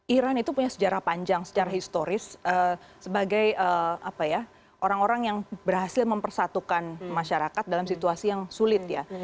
iran itu punya sejarah panjang secara historis sebagai orang orang yang berhasil mempersatukan masyarakat dalam situasi yang sulit ya